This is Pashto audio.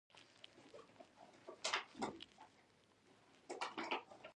تنور د دودیزو خوړو زړه دی